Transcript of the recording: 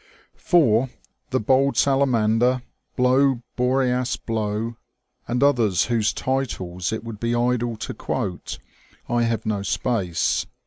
»f For " The Bold Salamander," "Blow, Boreas, blow," and others whose titles it would be idle to quote, I have no space.